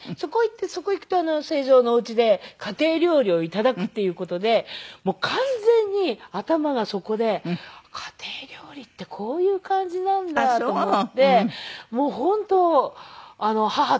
そこいくと成城のお家で家庭料理を頂くっていう事でもう完全に頭がそこで家庭料理ってこういう感じなんだと思ってもう本当母と思っています。